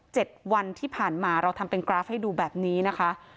๗วันที่ผ่านมาเราทำเป็นกราฟให้ดูแบบนี้นะคะ